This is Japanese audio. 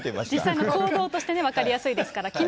実際の行動して分かりやすいですから。